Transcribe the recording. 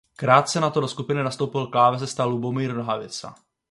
Krátce nato do skupiny nastoupil klávesista Lubomír Nohavica.